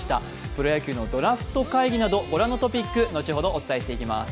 プロ野球のドラフト会議などご覧のトピックをお伝えしていきます。